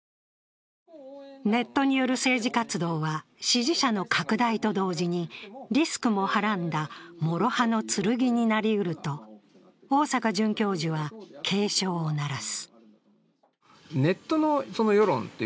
ネットによる政治活動は支持者の拡大と同時にリスクもはらんだ諸刃の剣になりうると逢坂准教授は警鐘を鳴らす。